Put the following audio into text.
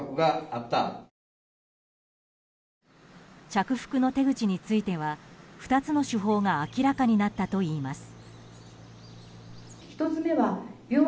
着服の手口については２つの手法が明らかになったといいます。